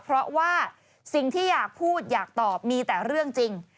เพราะว่าสิ่งที่อยากพูดอยากตอบมีแต่เรื่องจริง